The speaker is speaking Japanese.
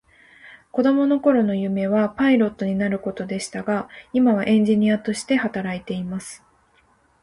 子供の頃の夢はパイロットになることでしたが、今はエンジニアとして働いています。